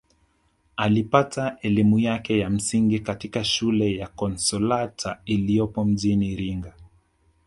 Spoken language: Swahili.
Alipata elimu yake ya msingi katika shule ya Consalata iliyopo mjini Iringa